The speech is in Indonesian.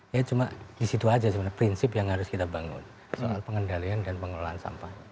ya cuma di situ aja sebenarnya prinsip yang harus kita bangun soal pengendalian dan pengelolaan sampah